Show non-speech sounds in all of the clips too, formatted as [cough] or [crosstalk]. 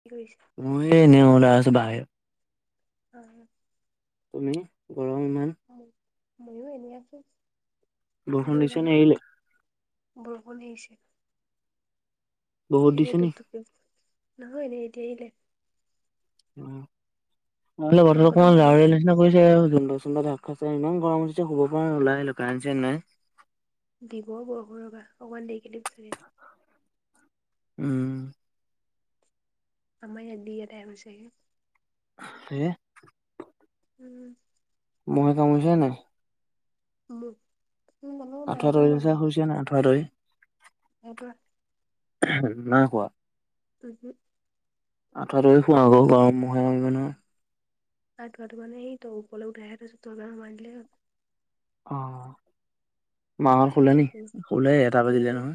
কি কৰিছা? মই এই এনেই ওলাই আহিছোঁ বাহিৰত। অহ। তুমি? গৰম ইমান। মই মইয়ো এনেই আছোঁ, কি বৰষুণ দিছে নে কৰিবানো। এৰিলে? বৰষুণ দিছে। বহুত এনেই দিছে নি? টোপ-টোপকে, নহয় এনেই এতিয়া আহিলে। উম, লগৰতোৰ লগত তোমালোকৰ তাত অকমান নামিল [unintelligible] ঠাণ্ডা কৰিছে আৰু [unintelligible] খাইছে ইমান গৰম হৈছে শুব পৰা নাই। ওলাই আহিলোঁ কাৰেন্ট-চাৰেন্ট নাই। দিব বৰষুণ ৰবা অকণমান দেৰিক দিব চাগে। উম। আমাৰ এদ দি ইয়াতে হৈছেহে। [unintelligible] উম। মহে কামোৰিছে নে নাই? মোক, মহে নাই কামোৰা দেখোন। লৈছা নাই আঠোৱা টানি। সেইটোৱ উম, নাই শুৱা। উমহোক। আঁঠুৱা টনি শুৱা আকৌ নহলে মহে কামোৰিব নহয়। তাৰ ধাৰা মানে সেইটো উৎপলে। [unintelligible] অহ, মাহঁত শুলে নেকি? শুলে এটা বাজিলে নহয়।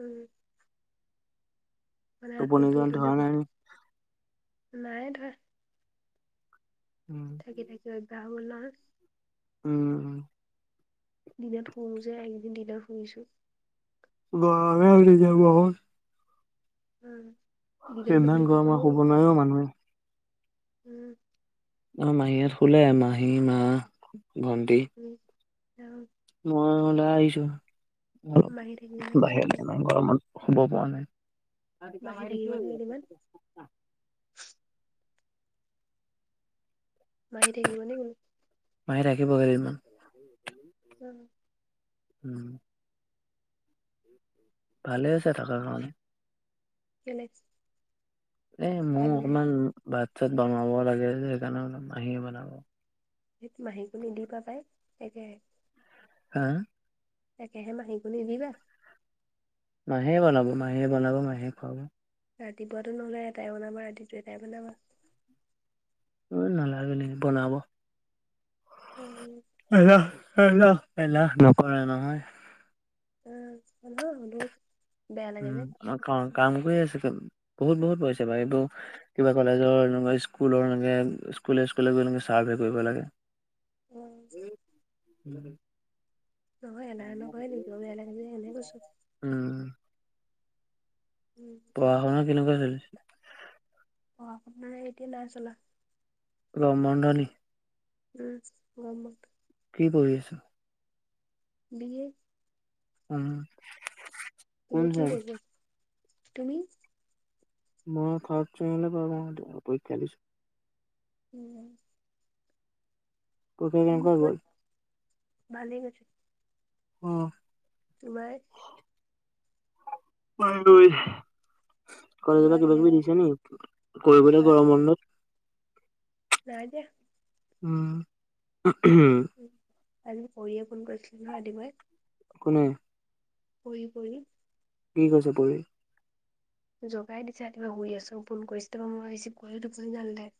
উম। মানে টোপনি আচলটোও যোৱা ল'লে ধৰা নাই গটি, নি? নাই ধৰা। উম। থাকি-থাকি অভ্যাস হ'ল নহয়। উম। দিনত শুওঁ যে, এইকেইদিন দিনত শুনিছোঁ। গৰমহে লাগিছে বহুত। উম, দিনে ন' ইমান শুলে গৰমত টোপনিয়ে শুব গ'ল, নোৱাৰি অ' মানুহে। উম। অহ, সিহঁত শুলে মাহীহাত শুলে মাহী, মা, ভণ্টি। উম, [unintelligible] মই ওলাই আহিছোঁ অলপ মাহী থাকিব নে কি কেইদিনমান বাহিৰলে মানে। গৰমত শুব পৰা নাই। মাহী থাকিব নে কেইদিনমান [unintelligible] মাহী থাকিব নে বোলো? মাহী থাকিব কেইদিনমান। উম উম [inaudible] ভালে আছে থাকাৰ কাৰণে। কেলে? এই মোৰ ভাল অকণমান বাতছাত বনাব লাগে যে সেইকাৰণে অলপ মাহীয়ে বনাব। [unintelligible] হা? তাকেহে মাহীকো নিদিবা। মাহীয়ে বনাব, মাহীয়ে বনাব মাহীয়ে খুৱাব। ৰাতিপুৱাটো নহ'লে এটাই বনাবা, ৰাতিটো এটাই বনাবা। [unintelligible] বনাব উম। এলা এলা নকৰা নহয়। [unintelligible] লাগে যে উম কাম কৰি আছে, বহুত বহুত পইছো বাৰু এইবোৰ কিবা কলেজৰ স্কুলৰ স্কুল স্কুল গৈ চাৰ্ভে কৰিব লাগে। অ উম। [unintelligible] এনে কৈছো উম। উম পঢ়া-শুনা কেনেকুৱা চলিছে? অ আপোনাৰ এতিয়া নাই চলা। ৰম মণ্ডলী [unintelligible] কি কৰি আছো? B A um. কোন চেম? [unintelligible] তুমি মই [unintelligible] অপেক্ষা দিছো উম পৰীক্ষা কেনেকুৱা গ'ল? গুড ভালেই কৈছে। অ। তোমাৰ কলেজৰ তোমাৰ পৰা কিবা কিবি কেনেকুৱা দিছে নি, কৰিবলৈ হা গৰম বন্ধত? [unintelligible] উম। উ আজি পঢ়িয়ে ফোন কৰিছিলো [unintelligible] উম। পৰি পৰি। কি কৈছে পৰি? জগাই দিছে ৰাতি শুই আছো, ফোন কৰিছো [unintelligible]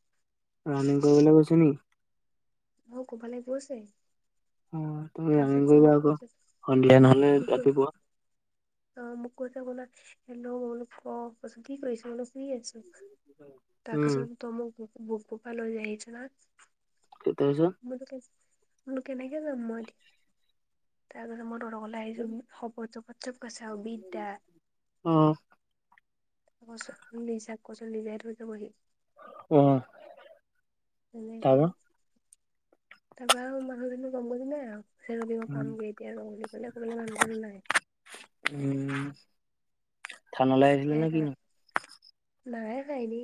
ৰানিং কৰিবলৈ কৈছে নেকি? [unintelligible] অ তুমি ৰানিং তাৰপিছত কৰিবা মোক আকৌ কৈছে অনলাইন হ'লে মোক কৈছে ৰাতিপুৱা। অ মোক কৈছে [unintelligible] শুই আছো উম [unintelligible] [unintelligible] মই ত কে মোৰ কেনেকে যাম মই এতি তাৰপিছত মই ধৰ আহিছো শপপত চপ গচা বিদ্যা অ কচ নিজাক কচোন নিজাই থৈ যাবহি উ তেনেকে তাৰ পৰাৰা আৰু মানুহ জানো গম বুজি নেবি মই পামগে এতিয়া ৰ বুলি ক'লে ক মানুহ জানো নাই উম থানালৈ আহিছিলে নে এটা কিনো নাই নাইনি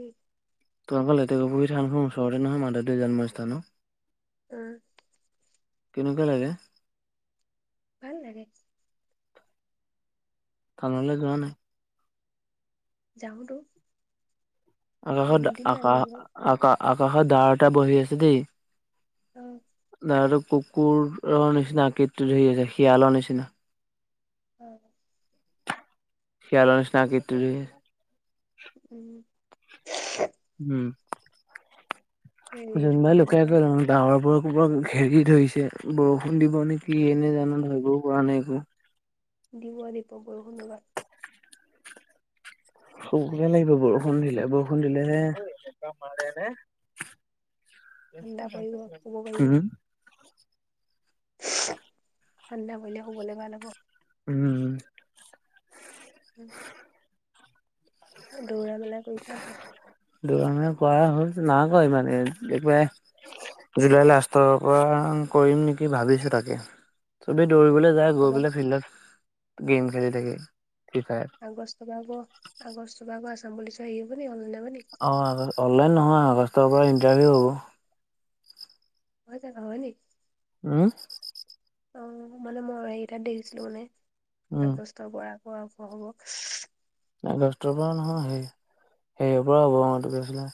তোমালৰ লেুুৰ থাননৰ ওচৰতে নহয় মাধৱেৱ জমস্থানত উম কেনেকুৱা লাগে ভাল লাগে কানলৈ যোৱা নাই যাওঁতো আকাশত নাই যোৱা আকাশ মই আকা আকাশৰ দাৰটা বহি আছে দেই উম নত কুকুৰৰ নিচিনাকটটো ধৰি আছে শিয়ালৰ নিচিনা হয় শিয়ালৰ নি সক্তে উম উম হেৰি এইটো কি বাই ল বুলি ক কয় কৰা ডাৱৰ পৰা ক'ৰব ঘেৰি ধৰিছে বৰষুণ দিব নেকি এনেে জানো ধৰিবও পৰা নাই একো দীপ দীপক বহু ধন্যবাদ সবে লাগিব বৰষুণ দিলে বৰষুণ দিলে হ মাৰে নে ঠাণ্ডা পৰিব শুব পাৰিবা উম ঠাণ্ডা হলে শুবলে ভাল হ'ব উম ওম দৌৰা মেলা কৰি যাবাই দৰঙৰ কৰা হল নাই কয় মানে একবাৰে জুলাই লাষ্টৰ পৰা কৰিম নেকি ভাবিছো তাকে চবেই দৌৰিবলৈ যায় গৈ তাৰপা পেলাই ফিল্ডত গেম খেলি থাকে ফ্ৰী ফায়াৰ আগস ভাগ আগসষ্ট ভাগ আচাম বুলিুলি চ আহ হব ন অল নাবানে অঁ আগ অনলাইন নহয় আগষ্টৰ পৰা ইণ্টাৰভিউ হ'ব হয় যাবা হনি হম অ মানে মই হেৰিটাত দেখিছিলো মানে উম আগষ্টৰ পৰা পৰা আৰম্ হ'ব আগষ্টৰ পৰা নহয় সেই সেইয়ৰ পৰা হ'বছিলে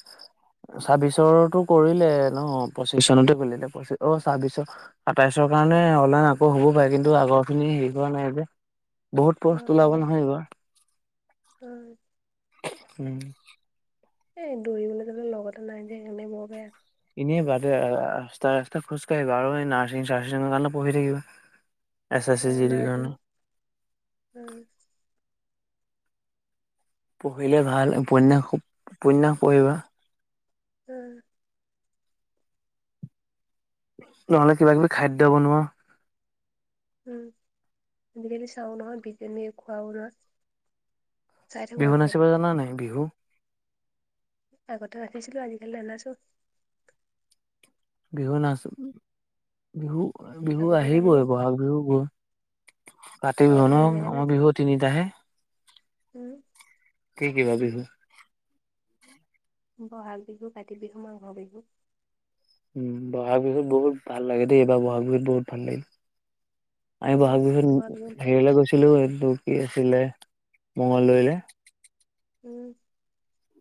ছাব্বিশো কৰিলে ন পঁচিশ চনতে কৰিে পঁচি অ ছাব্বিশৰ আটাইছৰ কাৰণে অনলাইন আকৌ হ'বও পাৰে কিন্তু আগৰ খিনি হেৰি কৰা নাই যে বহুত পস্ত ওলাব নহয় এইবাৰ উ উম এ দৌৰিবলৈ গলে লগতে নাই যে সেইকাৰে ম বেয়া এনেই বাদে ৰাস্তা ৰাস্ত খোজকাঢ়িব আৰু নাৰ্ছিং চাৰ্চিঙ কাৰণে পঢ়ি থাকিব অঁ নাক পঢ়িলে ভাল উপন্যাস উপন্যাস পঢ়িবা উম নহ'লে কিবা কিবি খাদ্য বনোৱা উম আজিকালি চাও নহয় বিজমি খোৱাও লোৱা। বিহু নাচিব জানানে নাই বিহু? আগতে নাচিছিলো আজিকালি নানাছো। বিহু নাচ বিহু বিহু আগতে জানো আহিবই বহাগ বিহুবোৰ কাতি বিহু আগতে ন ধুনীয়াকে আমাৰ নাচো বিহু তিনিটাহে? উম। কি কি বাৰু বিহু? বহাগ বিহু কাতি বিহু মাঘৰ বিহু। উম বহাগ বিহুত বহুত ভাল লাগে দেই এইবাৰ বহাগ বিহুত বহুত ভাল লাগিল। আমি উম, বহাগ বিহুত তোমালোকে হেৰিলে গৈছিলো এইটো কি আছিলে মঙলদৈলে। উম।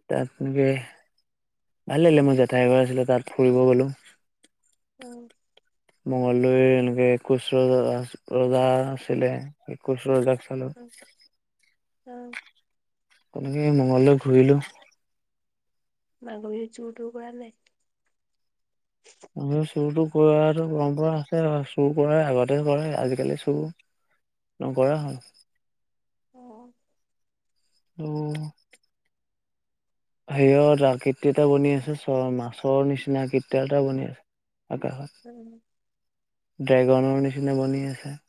তাত এনেকে ভাল লাগিলে মোৰ জেঠাই ঘৰ আছিলে তাত ফুৰিব গ'লো। উম। মঙদ এনেকে একৈশ ৰজা ৰজা আছিলে একৈশ ৰজাক চালো। উম। তেনেকে মংগলদৈ ঘূৰিলো। মাঘৰ বিহুত চোৰটোৰ কৰা নাই? আমি চুৰটো কৰাটো পৰম্পৰা আছে, চুৰ কৰেই আগতে কৰে আজিকালি চুৰ নকৰা হ'ল। অঁ। অ'। হেৰিয়াত আকৃতি এটা বনি আছে, চ মাছৰ নিচিনা আকৃতি এটা বনি আছে আকাশত। উম। ড্ৰেগনৰ নিচিনা বনি আছে।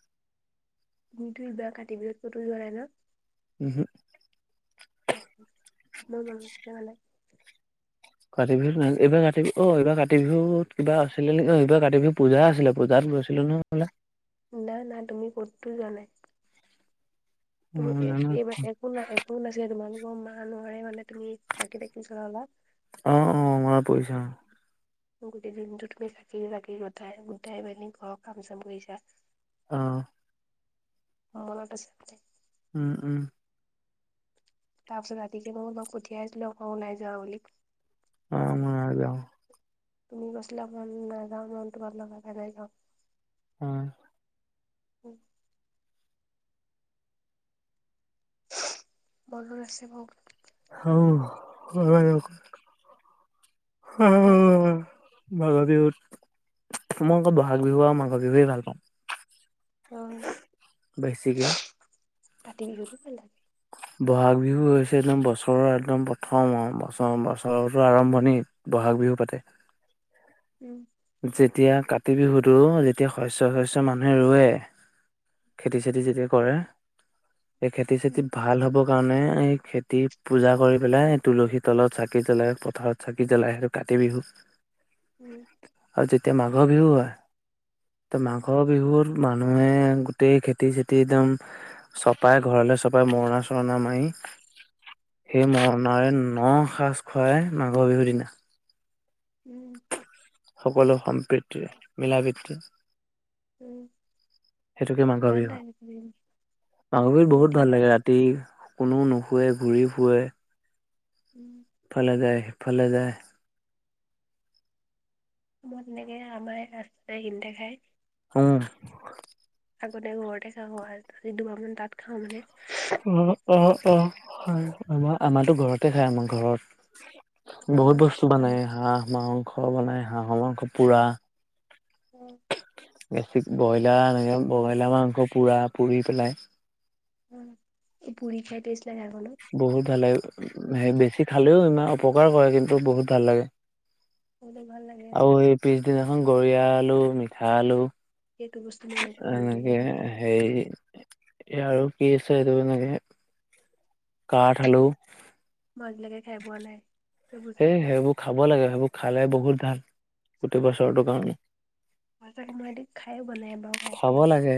ধুই বাা কাতি বিহত কতুই কৰাাই ন [unintelligible] উহু। অ মই ব তেনোহ'লে [unintelligible] ঘৰত থাকিবি নে নাই তই এইবাৰ কাতি বিহু অ' এইবাৰ কাতি বিহুত কিবা আছিলে অ' এইবাৰ কাতি বিহুত পূজা আছিলে পূজাত গৈছিলো নহয় হেইফালে। না না তুমি ক'ততো যোৱা নাই। অ ত জানো এইবাৰ একো না একো নাছিলে তোমালোকৰ মা নোৱাৰে মানে তুমি বাকী দিন কেইটা চলা অলপ। অ' অ' মনত পৰিছে অ'। গোটেই দিনটো তুমি চাকি বাকি গোটাই গোটাই মেলি ঘৰৰ কাম চাম কৰিছা। অ'। ম মলতে চে [unintelligible] উম উম। তাৰ পিছত ৰাতিকে মই মাক পঠিয়াই আছিলো অক ও নাই যাওঁ বুলি। অ' মই আৰু যাওঁ। তুমি কৈছিলা মই নাযাওঁ মনটো ভাল লগা নাই মই নাযাওঁ। উম। বনৰ [unintelligible] আছে মোক অ' হয়। উ হা [unintelligible] মাঘৰ বিহুত মই অকল বহাগ বিহু আৰু মাঘৰ বিহুৱেই ভাল পাওঁ। অ বেছিকে। কাতি বিহুতো ভাল লাগে। বহাগ বিহু হৈছে একদম বছৰৰ একদম প্ৰথম বছৰ বছৰতোৰ আৰম্ভণি। ব'হাগ বিহু পাতে। ওম। যেতিয়া কাতি বিহুটো যেতিয়া শস্য শস্য মানুহে ৰুয়ে খেতি চেতি যেতিয়া কৰে সেই খেতি উম চেতি ভাল হ'ব কাৰণে এই খেতি পূজা কৰি পেলাই তুলসী তলত চাকি জ্বলাই পথাৰত চাকি জ্বলাই সেইটো কাতি বিহু ওম আৰু যেতিয়া মাঘ বিহু হয় তে উম মাঘৰ বিহুৰ মানুহে গোটেই খেতি চেতি একদম চপাই ঘৰলৈ চপাই মৰণা চৰণা মাৰি সেই মৰণাৰে ন সাজ খুৱায় মাঘৰ বিহুৰ দিনা উম সকলো সম্প্ৰীতি মিলা প্ৰীতি উম সেইটোকে মাঘৰ ভাল বিহু লাগে মাঘৰ বিহু ফূৰ্তি বহুত ভাল আও লাগে ৰাতি কোনো নুশোৱে ঘূৰি ফুৰে উওম ইফালে যায় সিফালে যায় মই তেনেকে আমাৰ ৰাস্তাৰ এসিনিতে খাই উম আগতে ঘৰতে খাওঁ আজি দুবাৰামান তাত খাওঁ মানে অ অ অ হয় আমাৰতো ঘৰতে খাই আমাৰ ঘৰত অ বহুত বস্তু বনাই আমাৰ হাঁহ মাংস বনাই হাঁহ মাংস পোৰা উম বেছিক ব্ৰইলাৰ এনেকে ব্ৰইলাৰ মাংস পুৰা পুৰি পেলাই অ পুৰি খাই পেষ্ট লাগ ঘখনত বহুত ভাল লাগে সে বেছি খালেও ইমান অপকাৰ কৰে কিন্তু বহুত ভাল লাগে বহুত ভাল লাগে আৰু পিছদিনাখন গৰীয়া আলু মিঠা আলু সেইটো বস্তু মই নাখাওঁ আজিলৈকে এনেকে খাই পোৱা হে আৰু কি আছে এইটো এনেকে কাঠ আলু মই আজিলাকে খাই পোৱা নাই সেই বস্তুবোৰ খাব লাগে সেইবোৰ খালে বহুত ভাল গোটেই বছৰটোৰ কাৰণে ই তাকে মই এ খায়ে পোৱা নাই এবাৰও খাই পোৱা খাব নাই লাগে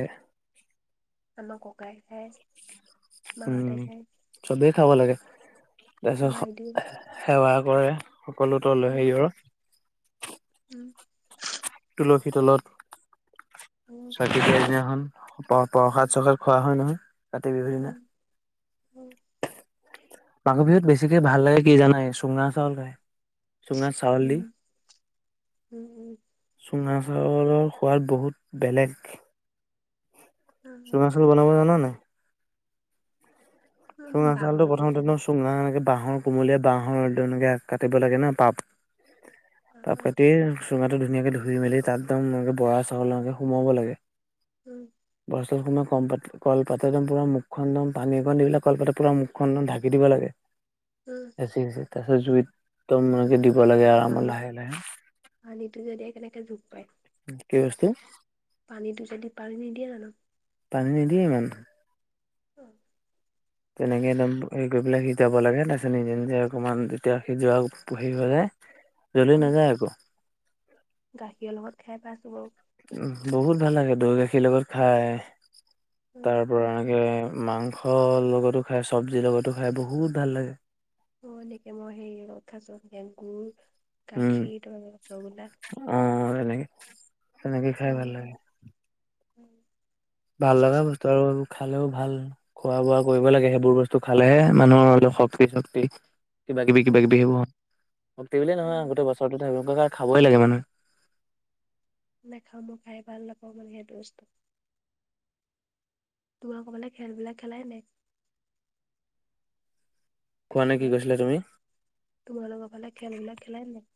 আমাৰ ককাই খাই উম চবেই খাব লাগে তাৰ আমাৰ আইদেউ সেৱা কৰে সকলো তলৈ উম হেৰিৰ উম তুলসী তলত উম ছয় ততাৰি দি দিনাখন উম প্ৰসাদ চসাদ খোৱা হয় নহয় কাতি বিহুৰ দিনা উম উম মাঘ বিহুত বেছিকৈ ভাল লাগে কি জানা চুঙা চাউল খায় চুঙাত চাউল দি উম উম চুঙা চাউলৰ সোৱাদ বহুত বেলেগ উম চুঙা চাউল বনাব জানা নে নাই চুঙা উম চাউলটো বাঁহৰদি প্ৰথমতে উম তো চুঙা এনেকে বাঁহৰ কোমলীয়া বাঁহৰ তেনেকৈ কাটিব লাগে ন পপা কাটি চুঙাটো ধুনীয়াকে ধুই মেলি তাত এ বৰা চাউললৈ সোমাব লাগে উম বৰা চাউল সোমাই কলপাতেৰে পুৰা মুখখন এক দম পানী একণ দিলে কলপাতৰ পৰা মুখখন ঢাকি দিব লাগে উম তাৰপিছত জুইত একদম এনেকে দিব লাগে আৰু পানীত পানীটো যদি কেনেকে জোখ পায় কি বস্তু? পানীটো যদি পাৰি নিদিয়া জানো? পানী নিদিয়ে ইমান। [inaudible] তেনেকে একদম হেৰি কৰি পেলাই সিজাব লাগে তাৰপিছত নিজে, নিজে অকণমান যেতিয়া সিজোবা বহি হৈ গ'লে জ্বলি উম নাযায় আকৌ। গাখীৰৰ লগত খাই পাইছোঁ বাৰু। উম, বহুত ভাল লাগে দৈ গাখীৰ লগত খায়। উম তাৰ পৰা গাখীৰ এনেকে মাংসৰ লগতো খাই, চবজিৰ লগতো খাই বহুত ভাল লাগে। অ', এনেকে মই হেৰি লগত খাইছোঁ কেং গুৰ গাখীৰ তাৰপা ৰসগোলা উম, এনেকে। তেনেকে খাইছোঁ, উম। ভাল লগা বস্তু আৰু খালেও ভাল। খোৱা বোৱা কৰিব লাগে সেইবোৰ বস্তু খালেহে মানুহৰ শক্তি, শক্তি কিবাকিবি, কিবাকিবি হ'ব, সেই বুলি নহয় উম আৰু গোটেই বছৰটোতে [unintelligible] খাবই লাগে মানুহে। নাখাব, খাই ভাল নাপাব সেইটো বস্তু। তোমাক ফালে খেলবিলাক খেলে নাই? [unintelligible] না কি কৈছিলা তুমি? তোমাৰোকৰ ফালে খেলবিলাক খেলে নাই?